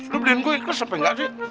lo beliin gue ikhlas apa enggak sih